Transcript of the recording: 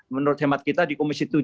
menurut hemat kita di komisi tujuh